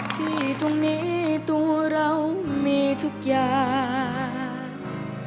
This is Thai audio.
ที่ตรงนี้ตัวเรามีทุกอย่าง